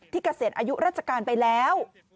เกษียณอายุราชการไปแล้ว